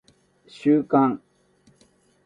収監